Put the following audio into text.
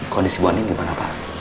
kondisi bu ani gimana pak